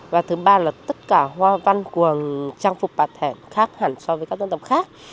và thứ ba là tất cả hoa văn của trang phục bà thèn khác hẳn so với các dân tộc khác